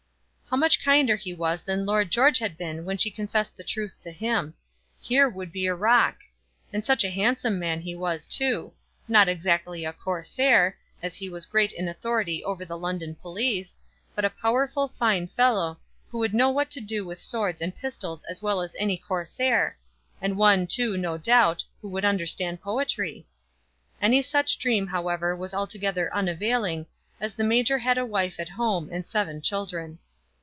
How much kinder he was than Lord George had been when she confessed the truth to him. Here would be a rock! And such a handsome man as he was, too, not exactly a Corsair, as he was great in authority over the London police, but a powerful, fine fellow, who would know what to do with swords and pistols as well as any Corsair; and one, too, no doubt, who would understand poetry! Any such dream, however, was altogether unavailing, as the major had a wife at home and seven children.